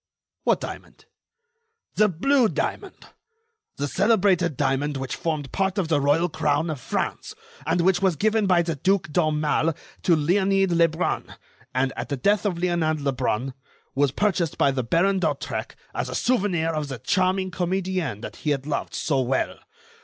"What diamond?" "The blue diamond! The celebrated diamond which formed part of the royal crown of France, and which was given by the Duke d'Aumale to Leonide Lebrun, and, at the death of Leonide Lebrun, was purchased by the Baron d'Hautrec as a souvenir of the charming comedienne that he had loved so well.